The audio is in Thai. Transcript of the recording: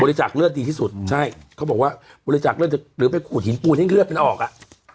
บริจักษ์เลือดดีที่สุดใช่เขาบอกว่าบริจักษ์เลือดจะหรือเป็นขุดหินปูนให้เลือดเป็นออกอ่ะ